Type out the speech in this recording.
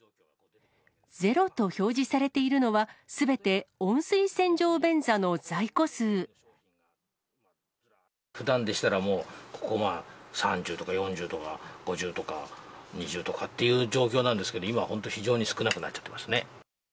０と表示されているのは、ふだんでしたら、ここも３０とか４０とか、５０とか、２０とかっていう状況なんですけど、今は本当に非常に少なくなっちゃってますね。